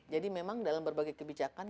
jadi memang dalam berbagai kebijakan